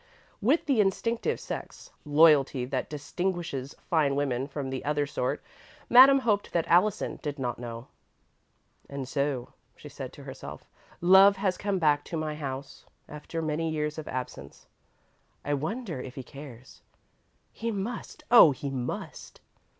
With the instinctive sex loyalty that distinguishes fine women from the other sort, Madame hoped that Allison did not know. "And so," she said to herself, "Love has come back to my house, after many years of absence. I wonder if he cares? He must, oh, he must!"